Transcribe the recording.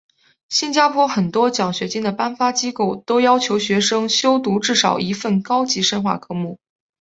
新加坡很多奖学金的颁发机构都要求学生修读至少一份高级深化科目。